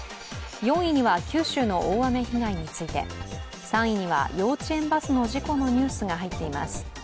４位には九州の大雨被害について３位には幼稚園バスの事故のニュースが入っています。